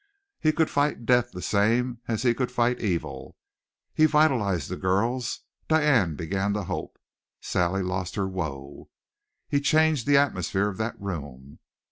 He could fight death the same as he could fight evil. He vitalized the girls. Diane began to hope; Sally lost her woe. He changed the atmosphere of that room.